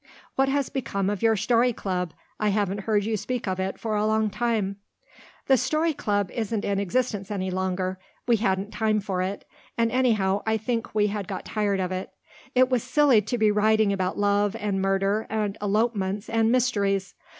"What has become of your story club? I haven't heard you speak of it for a long time." "The story club isn't in existence any longer. We hadn't time for it and anyhow I think we had got tired of it. It was silly to be writing about love and murder and elopements and mysteries.